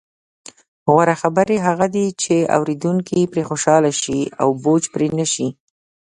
غوره خبرې هغه دي، چې اوریدونکي پرې خوشحاله شي او بوج پرې نه شي.